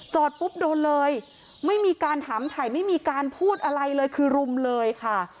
ปุ๊บโดนเลยไม่มีการถามถ่ายไม่มีการพูดอะไรเลยคือรุมเลยค่ะ